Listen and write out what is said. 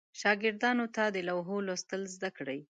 شاګردانو ته د لوحو لوستل زده کړل.